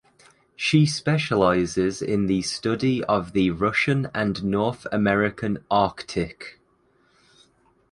She specializes in the study of the Russian and North American Arctic.